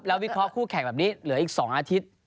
แล้ววิเคราะหคู่แข่งแบบนี้เหลืออีก๒อาทิตย์